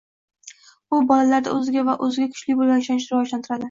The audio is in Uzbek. u bolalarda o‘ziga va o‘z kuchiga bo‘lgan ishonchni rivojlantiradi.